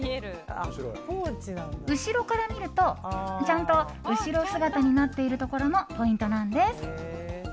後ろから見ると、ちゃんと後ろ姿になっているところもポイントなんです。